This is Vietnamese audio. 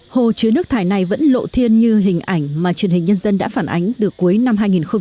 hồ chứa nước thải này vẫn lộ thiên như hình ảnh mà truyền hình nhân dân đã phản ánh từ cuối năm hai nghìn một mươi chín